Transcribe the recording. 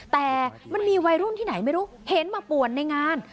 แต่มันมีวัยรุ่นที่ไหนไม่รู้เห็นมาป่วนในงาน